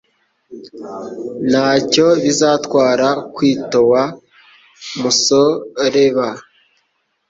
Ntacyo bizatwara kwitowa musoreba